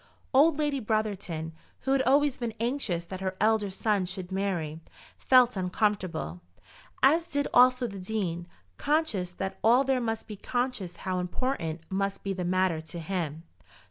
Old Lady Brotherton, who had always been anxious that her elder son should marry, felt uncomfortable, as did also the Dean, conscious that all there must be conscious how important must be the matter to him.